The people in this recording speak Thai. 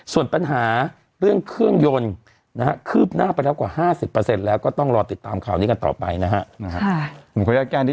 ส่วนปัญหาเรื่องเครื่องยนต์นะฮะคืบหน้าไปแล้วกว่า๕๐แล้วก็ต้องรอติดตามข่าวนี้กันต่อไปนะฮะ